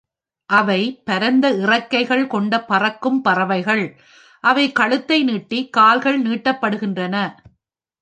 அவை பரந்த இறக்கைகள் கொண்ட பறக்கும் பறவைகள், அவை கழுத்தை நீட்டி, கால்கள் நீட்டப்படுகின்றன.